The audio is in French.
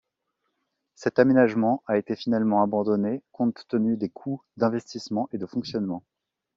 Cet aménagement a été finalement abandonné compte tenu des coûts d'investissement et de fonctionnement.